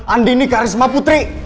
andi nikah risma putri